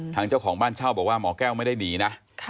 เจ้าของบ้านเช่าบอกว่าหมอแก้วไม่ได้หนีนะ